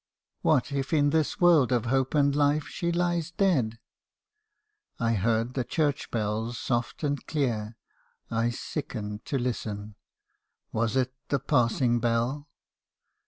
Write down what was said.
"'What, if in this world of hope and life she lies dead!' I heard the church bells soft and clear. I sickened to listen. Was it the passing bell?